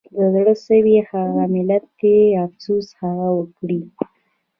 د زړه سوي هغه ملت دی د افسوس هغه وګړي